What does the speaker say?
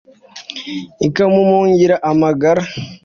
ikamumungira amagara